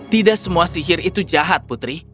tidak semua sihir itu jahat putri